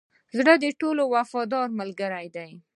زړه ټولو وفادار ملګری دی.